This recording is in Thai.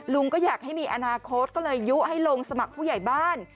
ก็อยากให้มีอนาคตก็เลยยุให้ลงสมัครผู้ใหญ่บ้าน